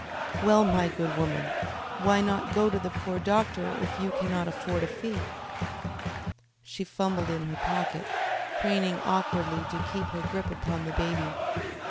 "Well, my good woman, why not go to the poor doctor if you cannot afford a fee?" She fumbled in her pocket, craning awkwardly to keep her grip upon the baby.